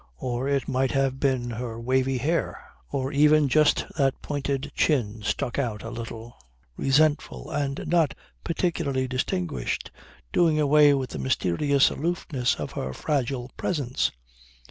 Or it might have been her wavy hair. Or even just that pointed chin stuck out a little, resentful and not particularly distinguished, doing away with the mysterious aloofness of her fragile presence.